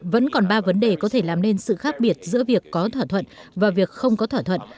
vẫn còn ba vấn đề có thể làm nên sự khác biệt giữa việc có thỏa thuận và việc không có thỏa thuận